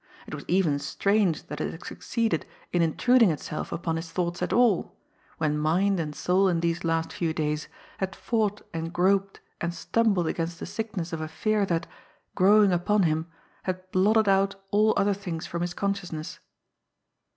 It was even strange that it had succeeded in intruding itself upon his thoughts at all, when mind and soul in these last few days had fought and groped and stumbled against the sickness of a fear that, growing upon him, had blotted out all other things from his consciousness.